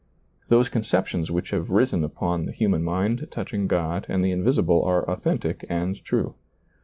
Those conceptions which have risen upon the human mind touching God and the invisible are authentic and true.